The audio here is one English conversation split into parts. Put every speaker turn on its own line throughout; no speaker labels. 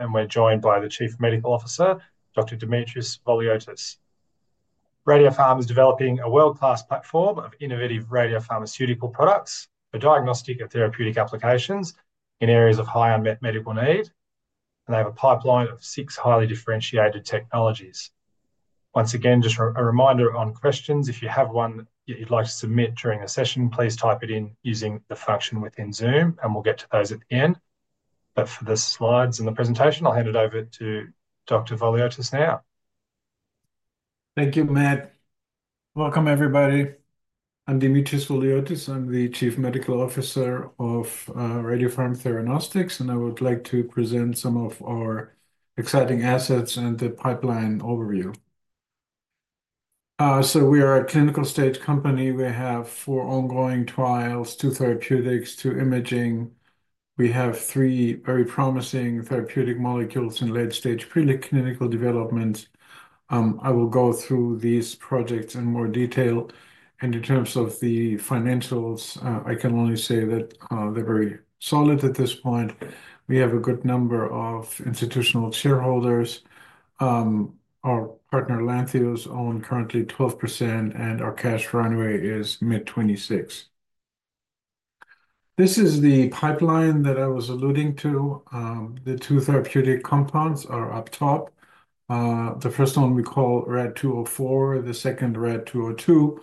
We're joined by the Chief Medical Officer, Dr. Dimitris Voliotis. Radiopharm is developing a world-class platform of innovative radiopharmaceutical products for diagnostic and therapeutic applications in areas of high unmet medical need, and they have a pipeline of six highly differentiated technologies. Once again, just a reminder on questions: if you have one that you'd like to submit during the session, please type it in using the function within Zoom, and we'll get to those at the end. For the slides and the presentation, I'll hand it over to Dr. Voliotis now.
Thank you, Matt. Welcome, everybody. I'm Dimitris Voliotis. I'm the Chief Medical Officer of Radiopharm Theranostics, and I would like to present some of our exciting assets and the pipeline overview. We are a clinical stage company. We have four ongoing trials, two therapeutics, two imaging. We have three very promising therapeutic molecules in late-stage preclinical development. I will go through these projects in more detail. In terms of the financials, I can only say that they're very solid at this point. We have a good number of institutional shareholders. Our partner, Lantheus, owns currently 12%, and our cash runway is mid-2026. This is the pipeline that I was alluding to. The two therapeutic compounds are up top. The first one we call RAD-204, the second RAD-202.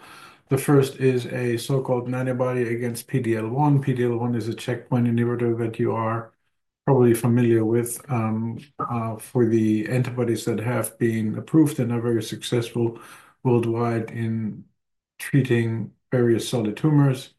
The first is a so-called nanobody against PD-L1. PD-L1 is a checkpoint inhibitor that you are probably familiar with for the antibodies that have been approved and are very successful worldwide in treating various solid tumors.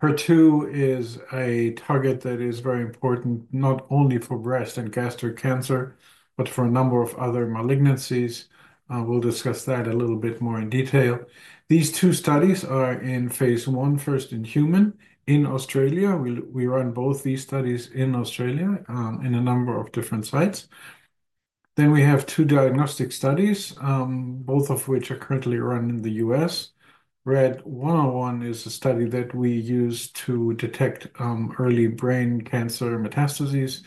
HER2 is a target that is very important not only for breast and gastric cancer, but for a number of other malignancies. We will discuss that a little bit more in detail. These two studies are in phase I, first in human, in Australia. We run both these studies in Australia in a number of different sites. We have two diagnostic studies, both of which are currently run in the U.S. RAD-101 is a study that we use to detect early brain cancer metastases.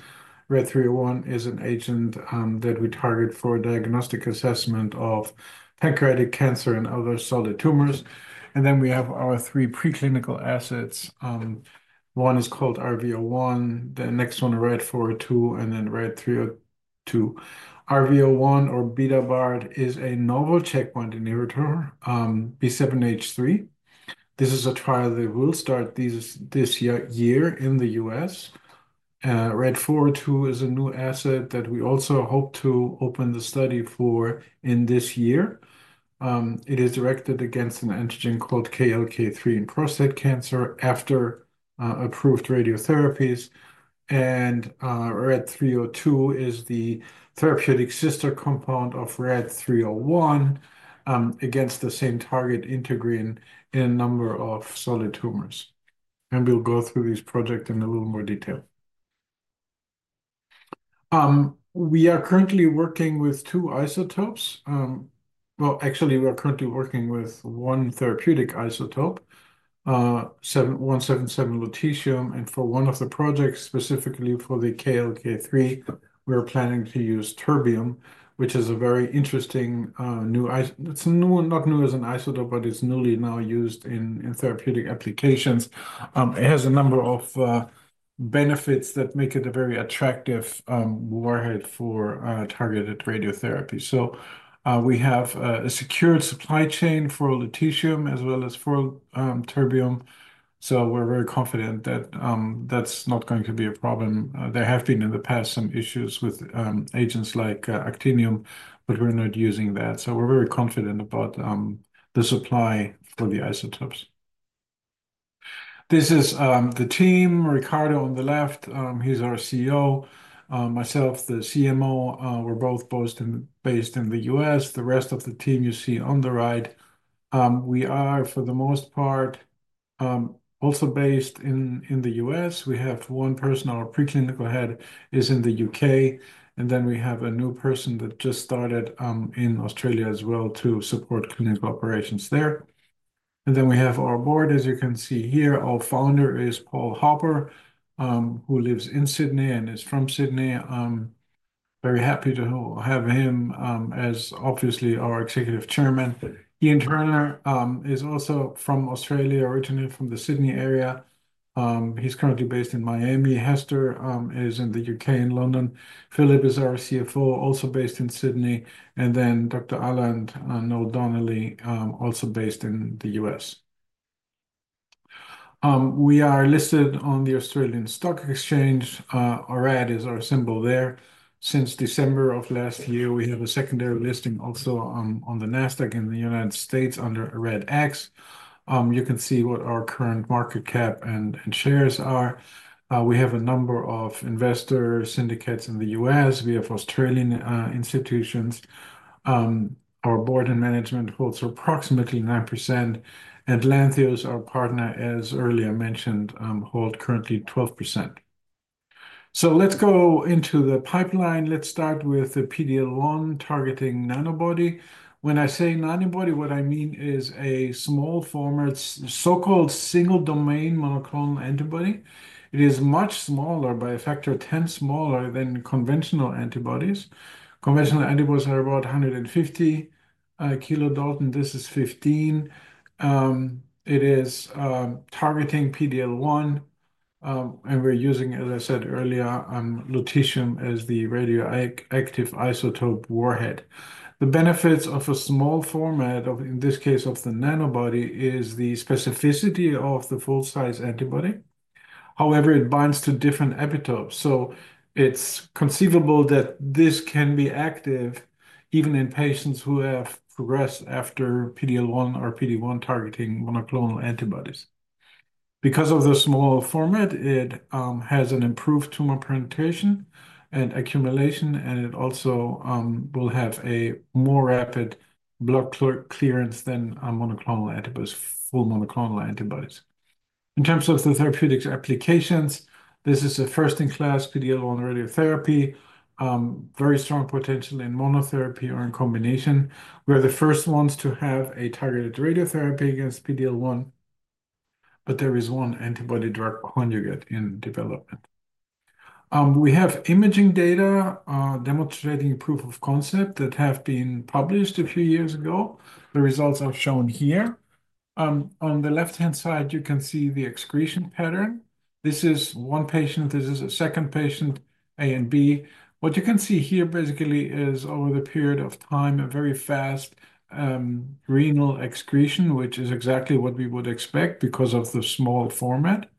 RAD-301 is an agent that we target for diagnostic assessment of pancreatic cancer and other solid tumors. We have our three preclinical assets. One is called RV01, the next one RAD-402, and then RAD-302. RV01, or BetaBody, is a novel checkpoint inhibitor, B7-H3. This is a trial that will start this year in the U.S. RAD-402 is a new asset that we also hope to open the study for in this year. It is directed against an antigen called KLK3 in prostate cancer after approved radiotherapies. RAD-302 is the therapeutic sister compound of RAD-301 against the same target integrin in a number of solid tumors. We will go through these projects in a little more detail. We are currently working with two isotopes. Actually, we are currently working with one therapeutic isotope, lutetium-177. For one of the projects, specifically for the KLK3, we are planning to use terbium, which is a very interesting new—it is not new as an isotope, but it is newly now used in therapeutic applications. It has a number of benefits that make it a very attractive warhead for targeted radiotherapy. We have a secured supply chain for lutetium as well as for terbium. We are very confident that that is not going to be a problem. There have been in the past some issues with agents like actinium, but we are not using that. We are very confident about the supply for the isotopes. This is the team. Riccardo on the left, he is our CEO. Myself, the CMO, we are both based in the U.S. The rest of the team you see on the right, we are, for the most part, also based in the U.S. We have one person, our preclinical head, in the U.K., and we have a new person that just started in Australia as well to support clinical operations there. We have our board, as you can see here. Our founder is Paul Hopper, who lives in Sydney and is from Sydney. Very happy to have him as, obviously, our Executive Chairman. Ian Turner is also from Australia, originally from the Sydney area. He's currently based in Miami. Hester is in the U.K., in London. Phillip is our CFO, also based in Sydney. Then Dr. Allan O'Donelly, also based in the U.S. We are listed on the Australian Stock Exchange. RAD is our symbol there. Since December of last year, we have a secondary listing also on the NASDAQ in the United States under RADX. You can see what our current market cap and shares are. We have a number of investor syndicates in the U.S. We have Australian institutions. Our board and management holds approximately 9%. Lantheus, our partner, as earlier mentioned, holds currently 12%. Let's go into the pipeline. Let's start with the PD-L1 targeting nanobody. When I say nanobody, what I mean is a small-format, so-called single-domain monoclonal antibody. It is much smaller, by a factor of 10, smaller than conventional antibodies. Conventional antibodies are about 150 kilodaltons. This is 15. It is targeting PD-L1, and we're using, as I said earlier, lutetium as the radioactive isotope warhead. The benefits of a small format, in this case of the nanobody, is the specificity of the full-size antibody. However, it binds to different epitopes. It is conceivable that this can be active even in patients who have progressed after PD-L1 or PD-1 targeting monoclonal antibodies. Because of the small format, it has an improved tumor presentation and accumulation, and it also will have a more rapid blood clearance than full monoclonal antibodies. In terms of the therapeutics applications, this is a first-in-class PD-L1 radiotherapy, very strong potential in monotherapy or in combination. We are the first ones to have a targeted radiotherapy against PD-L1, but there is one antibody drug conjugate in development. We have imaging data demonstrating proof of concept that have been published a few years ago. The results are shown here. On the left-hand side, you can see the excretion pattern. This is one patient. This is a second patient, A and B. What you can see here, basically, is, over the period of time, a very fast renal excretion, which is exactly what we would expect because of the small format.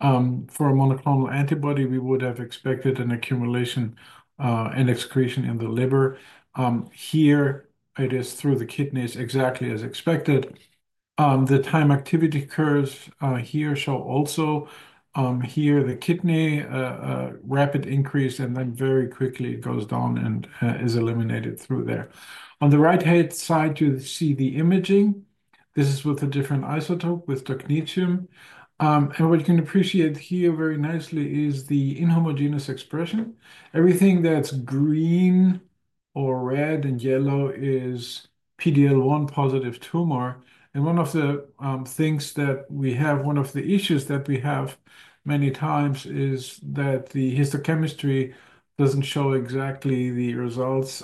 For a monoclonal antibody, we would have expected an accumulation and excretion in the liver. Here, it is through the kidneys, exactly as expected. The time activity curves here show also here the kidney, rapid increase, and then very quickly it goes down and is eliminated through there. On the right-hand side, you see the imaging. This is with a different isotope, with lutetium. What you can appreciate here very nicely is the inhomogeneous expression. Everything that's green or red and yellow is PD-L1 positive tumor. One of the things that we have, one of the issues that we have many times, is that the histochemistry does not show exactly the results.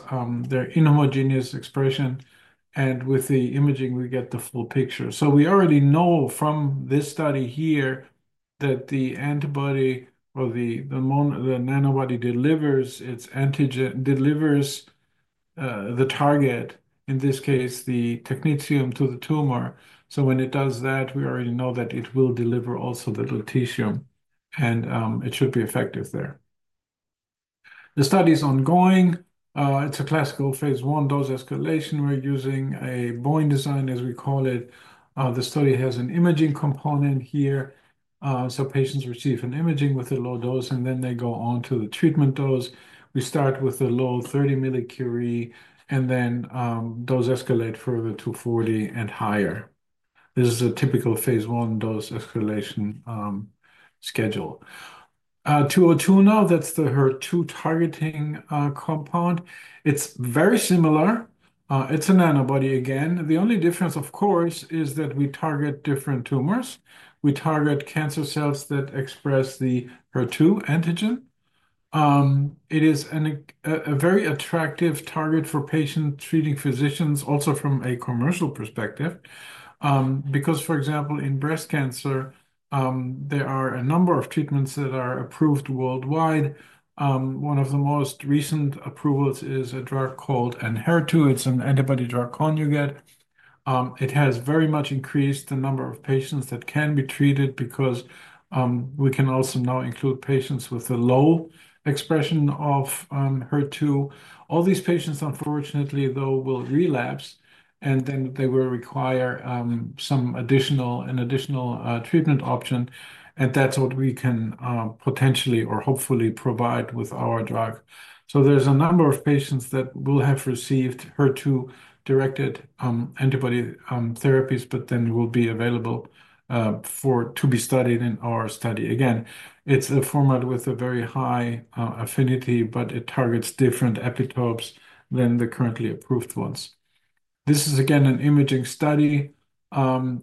There is inhomogeneous expression. With the imaging, we get the full picture. We already know from this study here that the antibody or the nanobody delivers its antigen, delivers the target, in this case, the lutetium, to the tumor. When it does that, we already know that it will deliver also the lutetium, and it should be effective there. The study is ongoing. It is a classical phase I dose escalation. We are using a bone design, as we call it. The study has an imaging component here. Patients receive an imaging with a low dose, and then they go on to the treatment dose. We start with a low 30 millicurie, and then dose escalate further to 40 and higher. This is a typical phase one dose escalation schedule. 202 now, that's the HER2 targeting compound. It's very similar. It's a nanobody again. The only difference, of course, is that we target different tumors. We target cancer cells that express the HER2 antigen. It is a very attractive target for patients, treating physicians, also from a commercial perspective. Because, for example, in breast cancer, there are a number of treatments that are approved worldwide. One of the most recent approvals is a drug called Enhertu. It's an antibody drug conjugate. It has very much increased the number of patients that can be treated because we can also now include patients with a low expression of HER2. All these patients, unfortunately, though, will relapse, and then they will require some additional treatment option. That's what we can potentially or hopefully provide with our drug. There are a number of patients that will have received HER2-directed antibody therapies, but then will be available to be studied in our study. Again, it's a format with a very high affinity, but it targets different epitopes than the currently approved ones. This is, again, an imaging study. I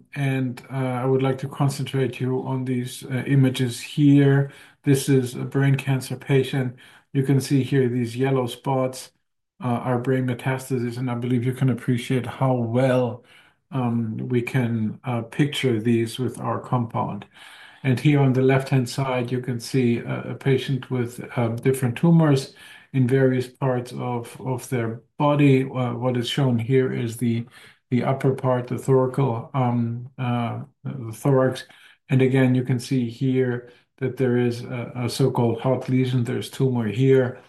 would like to concentrate you on these images here. This is a brain cancer patient. You can see here these yellow spots are brain metastases. I believe you can appreciate how well we can picture these with our compound. Here on the left-hand side, you can see a patient with different tumors in various parts of their body. What is shown here is the upper part, the thoracic. You can see here that there is a so-called hot lesion. There is tumor here.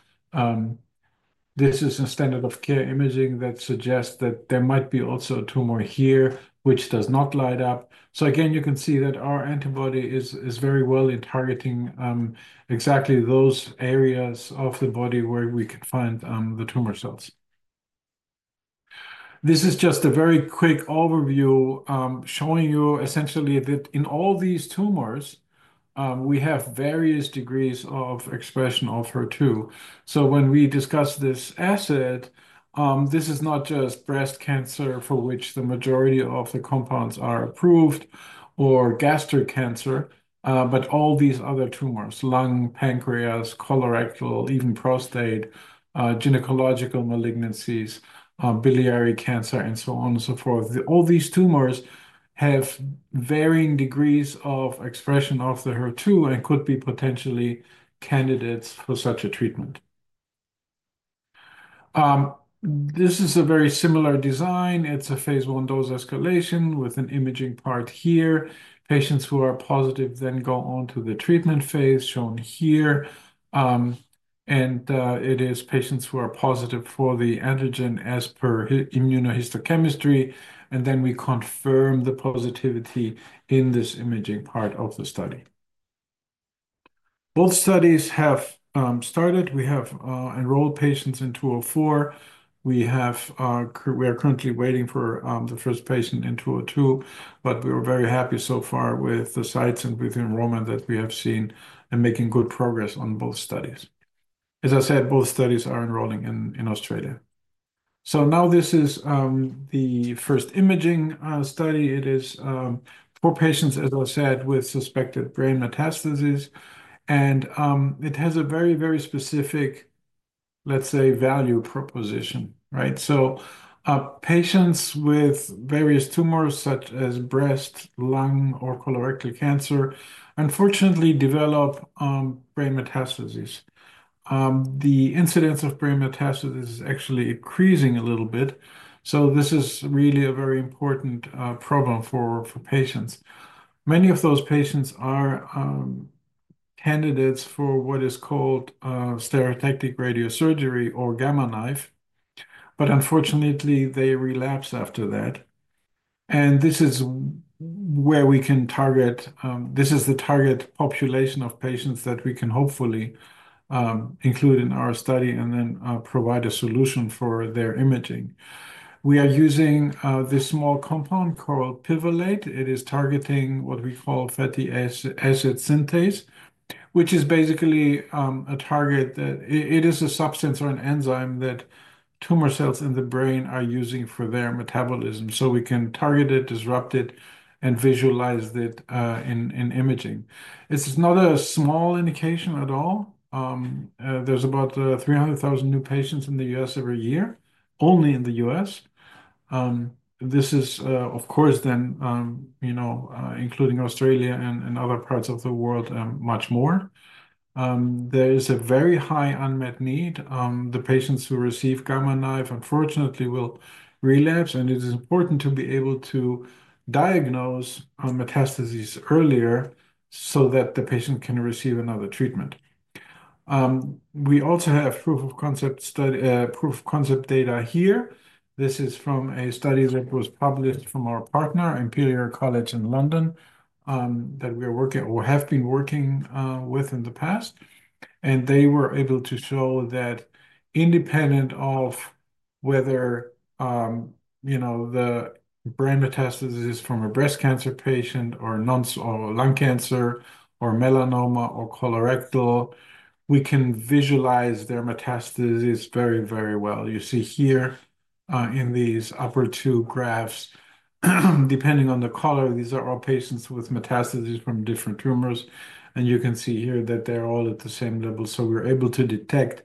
This is a standard of care imaging that suggests that there might be also a tumor here, which does not light up. You can see that our antibody is very well in targeting exactly those areas of the body where we could find the tumor cells. This is just a very quick overview showing you, essentially, that in all these tumors, we have various degrees of expression of HER2. When we discuss this asset, this is not just breast cancer, for which the majority of the compounds are approved, or gastric cancer, but all these other tumors: lung, pancreas, colorectal, even prostate, gynecological malignancies, biliary cancer, and so on and so forth. All these tumors have varying degrees of expression of the HER2 and could be potentially candidates for such a treatment. This is a very similar design. It's a phase one dose escalation with an imaging part here. Patients who are positive then go on to the treatment phase shown here. It is patients who are positive for the antigen as per immunohistochemistry. We confirm the positivity in this imaging part of the study. Both studies have started. We have enrolled patients in 204. We are currently waiting for the first patient in 202, but we are very happy so far with the sites and with the enrollment that we have seen and making good progress on both studies. As I said, both studies are enrolling in Australia. This is the first imaging study. It is for patients, as I said, with suspected brain metastases. It has a very, very specific, let's say, value proposition, right? Patients with various tumors, such as breast, lung, or colorectal cancer, unfortunately, develop brain metastases. The incidence of brain metastasis is actually increasing a little bit. This is really a very important problem for patients. Many of those patients are candidates for what is called stereotactic radiosurgery or Gamma Knife, but unfortunately, they relapse after that. This is where we can target; this is the target population of patients that we can hopefully include in our study and then provide a solution for their imaging. We are using this small compound called pivalate. It is targeting what we call fatty acid synthase, which is basically a target. It is a substance or an enzyme that tumor cells in the brain are using for their metabolism. We can target it, disrupt it, and visualize it in imaging. It's not a small indication at all. There's about 300,000 new patients in the U.S. every year, only in the U.S. This is, of course, then including Australia and other parts of the world, much more. There is a very high unmet need. The patients who receive Gamma Knife, unfortunately, will relapse. It is important to be able to diagnose metastases earlier so that the patient can receive another treatment. We also have proof of concept data here. This is from a study that was published from our partner, Imperial College London, that we are working or have been working with in the past. They were able to show that independent of whether the brain metastasis is from a breast cancer patient or lung cancer or melanoma or colorectal, we can visualize their metastases very, very well. You see here in these upper two graphs, depending on the color, these are all patients with metastases from different tumors. You can see here that they're all at the same level. We are able to detect,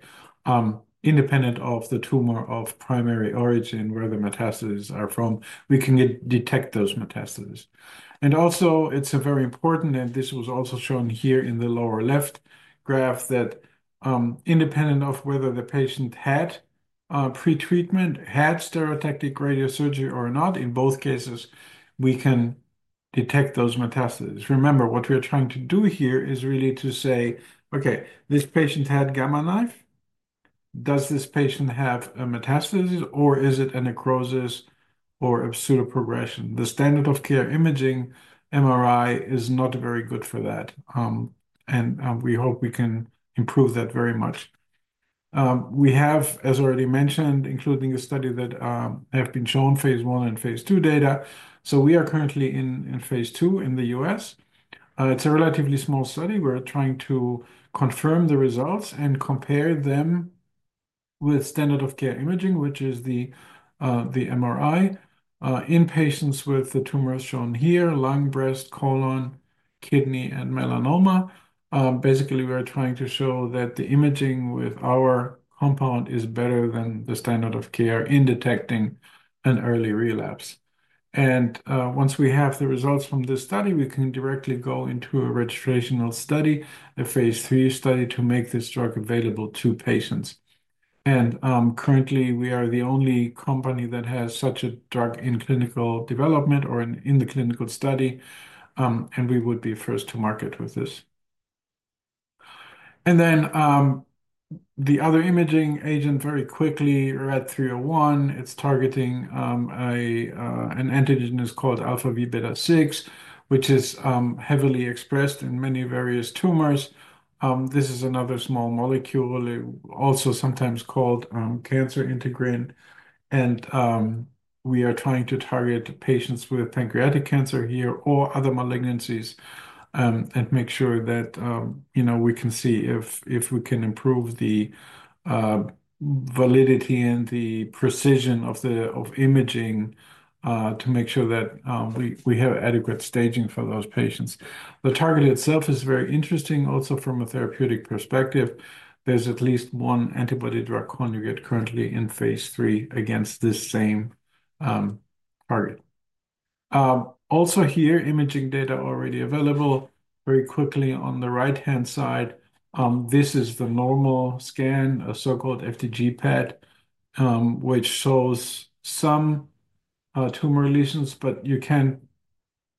independent of the tumor of primary origin, where the metastases are from, we can detect those metastases. Also, it's very important, and this was also shown here in the lower left graph, that independent of whether the patient had pretreatment, had stereotactic radiosurgery or not, in both cases, we can detect those metastases. Remember, what we are trying to do here is really to say, okay, this patient had Gamma Knife. Does this patient have a metastasis, or is it a necrosis or a pseudoprogression? The standard of care imaging, MRI, is not very good for that. We hope we can improve that very much. We have, as already mentioned, including the study that have been shown, phase one and phase two data. We are currently in phase two in the U.S. It's a relatively small study. We are trying to confirm the results and compare them with standard of care imaging, which is the MRI in patients with the tumors shown here: lung, breast, colon, kidney, and melanoma. Basically, we are trying to show that the imaging with our compound is better than the standard of care in detecting an early relapse. Once we have the results from this study, we can directly go into a registrational study, a phase three study, to make this drug available to patients. Currently, we are the only company that has such a drug in clinical development or in the clinical study. We would be first to market with this. The other imaging agent, very quickly, RAD-301, it's targeting an antigen called alpha v beta 6, which is heavily expressed in many various tumors. This is another small molecule, also sometimes called cancer integrin. We are trying to target patients with pancreatic cancer here or other malignancies and make sure that we can see if we can improve the validity and the precision of imaging to make sure that we have adequate staging for those patients. The target itself is very interesting, also from a therapeutic perspective. There's at least one antibody drug conjugate currently in phase three against this same target. Also here, imaging data already available. Very quickly, on the right-hand side, this is the normal scan, a so-called FDG PET, which shows some tumor lesions, but you can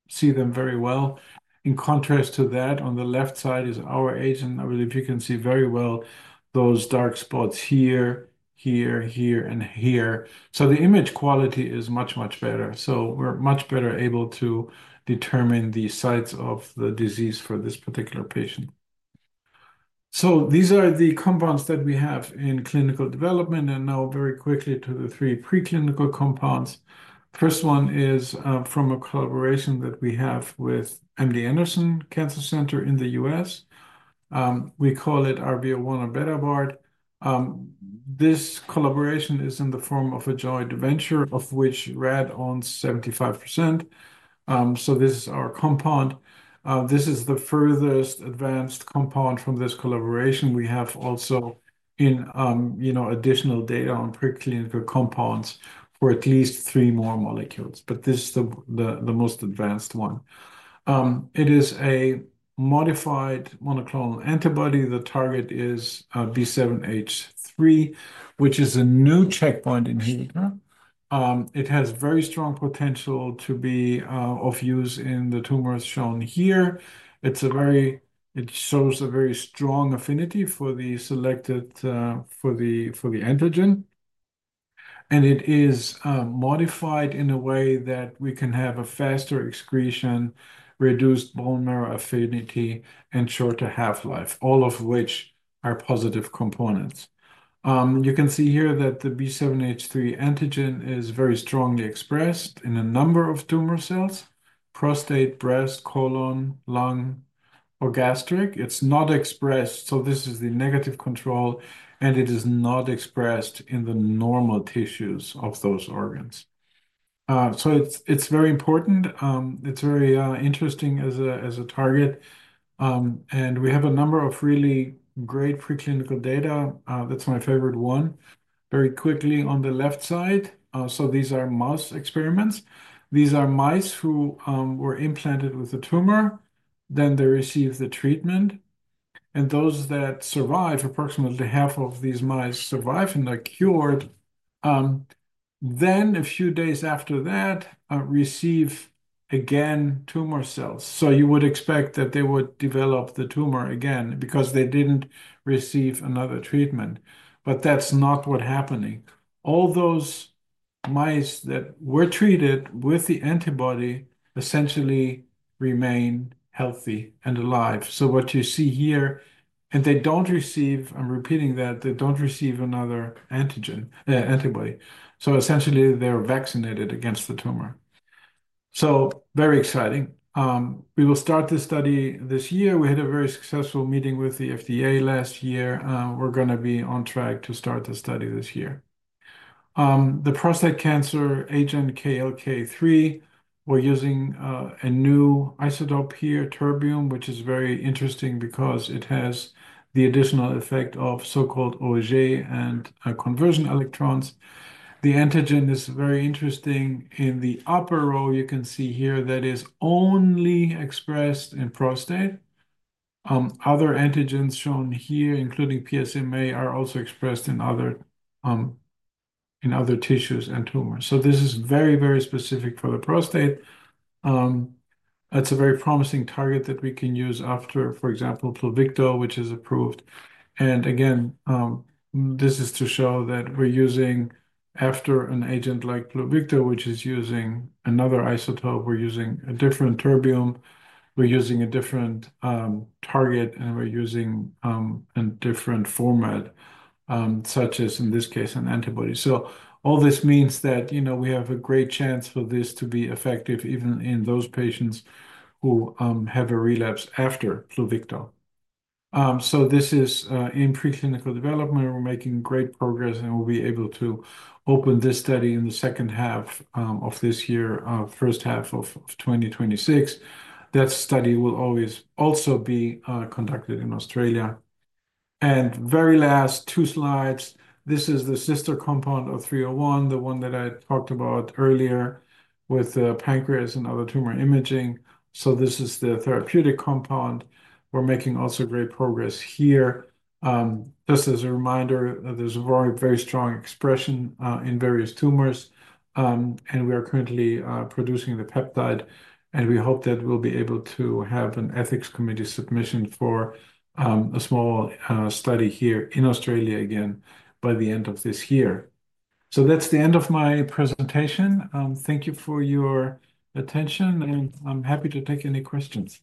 see them very well. In contrast to that, on the left side is our agent. I believe you can see very well those dark spots here, here, here, and here. The image quality is much, much better. We're much better able to determine the sites of the disease for this particular patient. These are the compounds that we have in clinical development. Now, very quickly, to the three preclinical compounds. First one is from a collaboration that we have with MD Anderson Cancer Center in the U.S. We call it RV01 or BetaBody. This collaboration is in the form of a joint venture of which RAD owns 75%. This is our compound. This is the furthest advanced compound from this collaboration. We have also additional data on preclinical compounds for at least three more molecules. This is the most advanced one. It is a modified monoclonal antibody. The target is B7-H3, which is a new checkpoint inhibitor. It has very strong potential to be of use in the tumors shown here. It shows a very strong affinity for the antigen. It is modified in a way that we can have a faster excretion, reduced bone marrow affinity, and shorter half-life, all of which are positive components. You can see here that the B7-H3 antigen is very strongly expressed in a number of tumor cells: prostate, breast, colon, lung, or gastric. It is not expressed. This is the negative control. It is not expressed in the normal tissues of those organs. It is very important. It is very interesting as a target. We have a number of really great preclinical data. That is my favorite one. Very quickly, on the left side, these are mouse experiments. These are mice who were implanted with a tumor. They receive the treatment. Those that survive, approximately half of these mice survive and are cured. A few days after that, they receive again tumor cells. You would expect that they would develop the tumor again because they did not receive another treatment. That is not what happened. All those mice that were treated with the antibody essentially remain healthy and alive. What you see here, and they do not receive—I am repeating that—they do not receive another antibody. Essentially, they are vaccinated against the tumor. Very exciting. We will start this study this year. We had a very successful meeting with the U.S. Food and Drug Administration last year. We're going to be on track to start the study this year. The prostate cancer agent, KLK3, we're using a new isotope here, terbium, which is very interesting because it has the additional effect of so-called Auger and conversion electrons. The antigen is very interesting. In the upper row, you can see here that it is only expressed in prostate. Other antigens shown here, including PSMA, are also expressed in other tissues and tumors. This is very, very specific for the prostate. It's a very promising target that we can use after, for example, Pluvicto, which is approved. This is to show that we're using, after an agent like Pluvicto, which is using another isotope, we're using a different terbium, we're using a different target, and we're using a different format, such as in this case, an antibody. All this means that we have a great chance for this to be effective even in those patients who have a relapse after Pluvicto. This is in preclinical development. We're making great progress, and we'll be able to open this study in the second half of this year, first half of 2026. That study will also be conducted in Australia. Very last, two slides. This is the sister compound of 301, the one that I talked about earlier with pancreas and other tumor imaging. This is the therapeutic compound. We're making also great progress here. Just as a reminder, there's a very, very strong expression in various tumors. We are currently producing the peptide. We hope that we'll be able to have an ethics committee submission for a small study here in Australia again by the end of this year. That's the end of my presentation. Thank you for your attention. I'm happy to take any questions.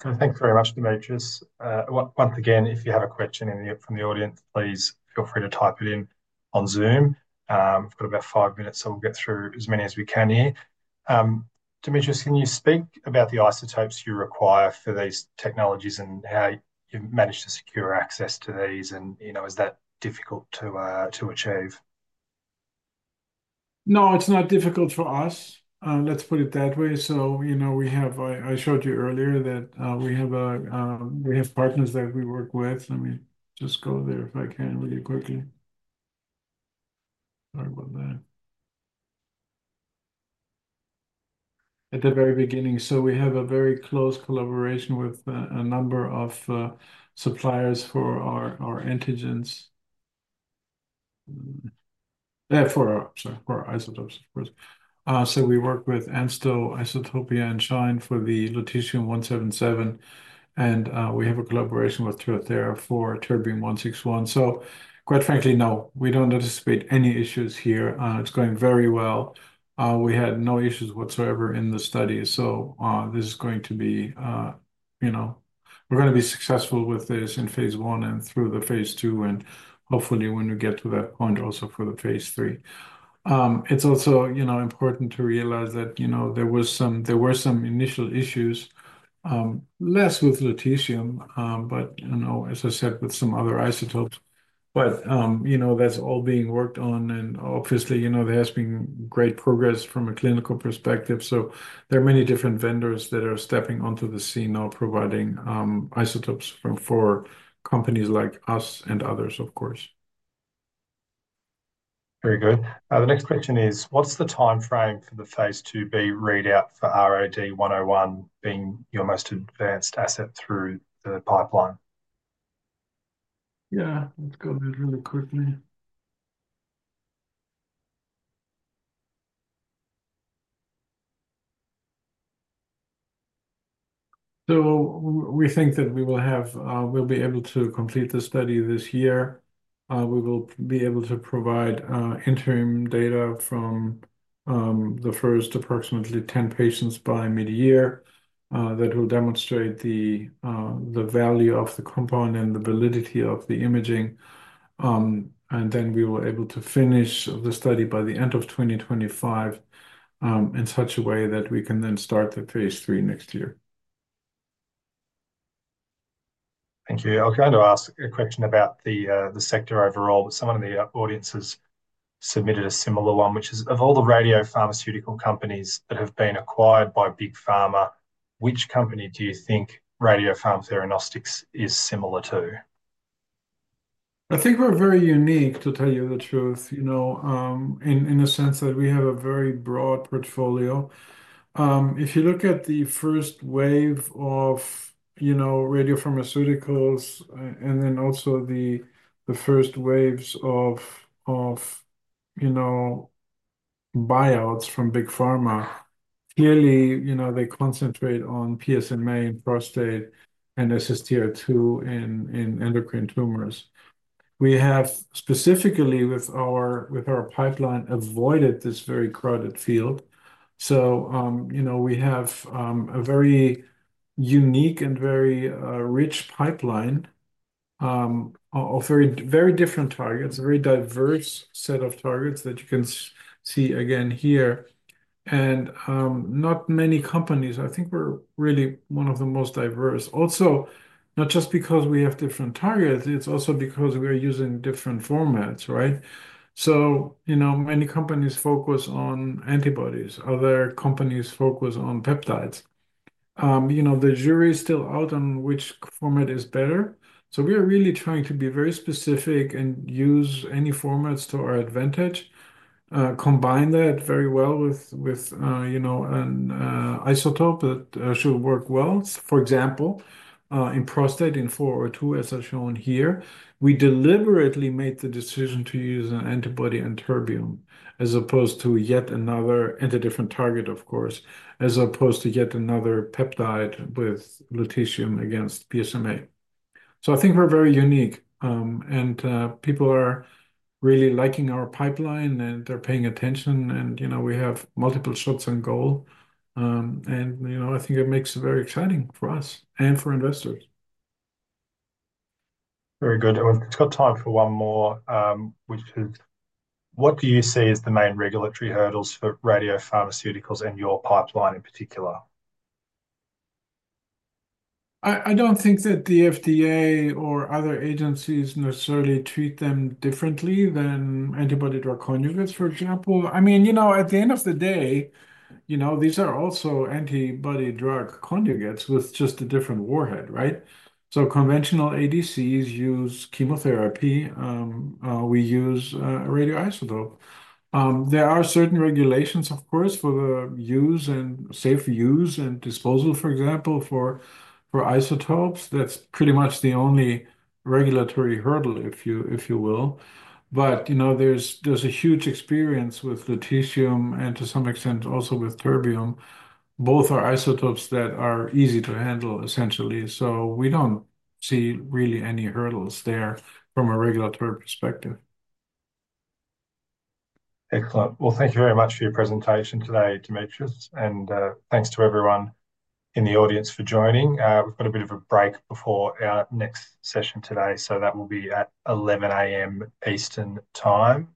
Thanks very much, Dimitris. Once again, if you have a question from the audience, please feel free to type it in on Zoom. We've got about five minutes, so we'll get through as many as we can here. Dimitris, can you speak about the isotopes you require for these technologies and how you manage to secure access to these? Is that difficult to achieve?
No, it's not difficult for us. Let's put it that way. I showed you earlier that we have partners that we work with. Let me just go there if I can really quickly. Sorry about that. At the very beginning, we have a very close collaboration with a number of suppliers for our antigens. Sorry, for our isotopes, of course. We work with ANSTO, Isotopia, and SHINE for the lutetium-177. We have a collaboration with TerThera for terbium-161. Quite frankly, no, we don't anticipate any issues here. It's going very well. We had no issues whatsoever in the study. This is going to be—we're going to be successful with this in phase one and through the phase two, and hopefully, when we get to that point, also for the phase three. It's also important to realize that there were some initial issues, less with lutetium, but, as I said, with some other isotopes. That's all being worked on. Obviously, there has been great progress from a clinical perspective. There are many different vendors that are stepping onto the scene now providing isotopes for companies like us and others, of course.
Very good. The next question is, what's the timeframe for the Phase 2B readout for RAD-101 being your most advanced asset through the pipeline?
Yeah, let's go there really quickly. We think that we will be able to complete the study this year. We will be able to provide interim data from the first approximately 10 patients by mid-year that will demonstrate the value of the compound and the validity of the imaging. We will be able to finish the study by the end of 2025 in such a way that we can then start the Phase 3 next year.
Thank you. I was going to ask a question about the sector overall, but someone in the audience has submitted a similar one, which is, of all the radiopharmaceutical companies that have been acquired by Big Pharma, which company do you think Radiopharm Theranostics is similar to?
I think we're very unique, to tell you the truth, in the sense that we have a very broad portfolio. If you look at the first wave of radiopharmaceuticals and then also the first waves of buyouts from Big Pharma, clearly, they concentrate on PSMA in prostate and SSTR2 in endocrine tumors. We have, specifically with our pipeline, avoided this very crowded field. We have a very unique and very rich pipeline of very different targets, a very diverse set of targets that you can see again here. Not many companies—I think we're really one of the most diverse. Also, not just because we have different targets, it's also because we are using different formats, right? So many companies focus on antibodies. Other companies focus on peptides. The jury is still out on which format is better. We are really trying to be very specific and use any formats to our advantage, combine that very well with an isotope that should work well. For example, in prostate in 402, as I've shown here, we deliberately made the decision to use an antibody and terbium as opposed to yet another—and a different target, of course—as opposed to yet another peptide with lutetium against PSMA. I think we're very unique. People are really liking our pipeline, and they're paying attention. We have multiple shots on goal. I think it makes it very exciting for us and for investors.
Very good. We have got time for one more, which is, what do you see as the main regulatory hurdles for radiopharmaceuticals and your pipeline in particular?
I do not think that the FDA or other agencies necessarily treat them differently than antibody drug conjugates, for example. I mean, at the end of the day, these are also antibody drug conjugates with just a different warhead, right? Conventional ADCs use chemotherapy. We use a radioisotope. There are certain regulations, of course, for the use and safe use and disposal, for example, for isotopes. That is pretty much the only regulatory hurdle, if you will. There is a huge experience with lutetium and, to some extent, also with terbium. Both are isotopes that are easy to handle, essentially. We do not see really any hurdles there from a regulatory perspective.
Excellent. Thank you very much for your presentation today, Dimitris. Thanks to everyone in the audience for joining. We've got a bit of a break before our next session today. That will be at 11:00 A.M. Eastern Time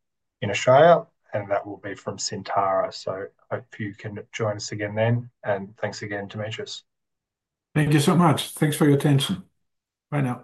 in Australia. That will be from Syntara. Hope you can join us again then. Thanks again, Dimitris.
Thank you so much. Thanks for your attention. Bye now.